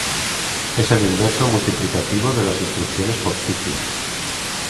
Es el inverso multiplicativo de las instrucciones por ciclo.